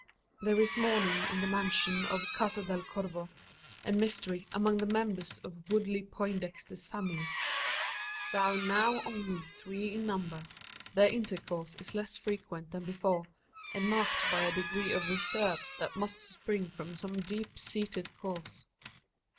There is mourning in the mansion of Casa del Corvo, and mystery among the members of Woodley Poindexter's family. Though now only three in number, their intercourse is less frequent than before, and marked by a degree of reserve that must spring from some deep seated cause.